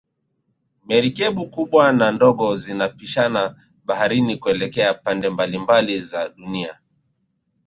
Merikebu kubwa na ndogo zinapishana baharini kuelekea pande mabalimabali za dunia